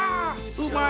うまい。